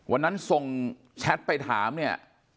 วันนั้นส่งแชทไปถามเนี่ย